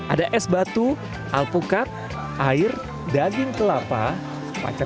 ada es batu alpukat air daging kelapa macam